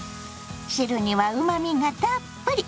汁にはうまみがたっぷり。